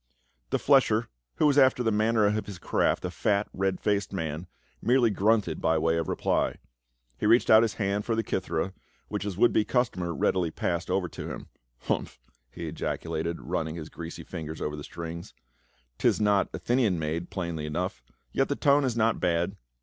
The flesher, who was after the manner of his craft a fat red faced man, merely grunted by way of reply. He reached out his hand for the kithera, which his A STRANGER IN ATHENS. 331 would be customer readily passed over to him. " Hump !" he ejaculated, running his greasy fingers over the strings, " 'tis not Athenian made plainly enough, yet the tone is not bad."